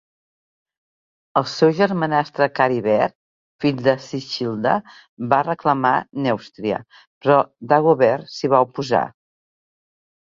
El seu germanastre Caribert, fill de Sichilda, va reclamar Nèustria, però Dagobert s'hi va oposar.